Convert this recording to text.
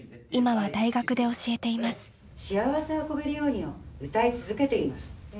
「しあわせ運べるように」を歌い続けています。